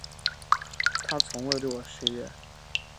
他从未对我失约